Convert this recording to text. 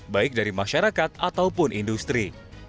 baik dari masyarakat ataupun industri